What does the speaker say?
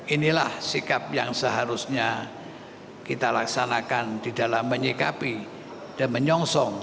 inilah sikap yang seharusnya kita laksanakan di dalam menyikapi dan menyongsong